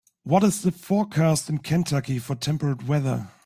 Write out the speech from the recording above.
What is the forecast in Kentucky for temperate weather